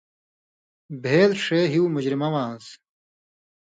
بھېل ݜے ہیُو مجرمہ واں آن٘س۔